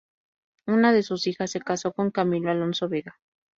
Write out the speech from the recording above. Una de sus hijas se casó con Camilo Alonso Vega.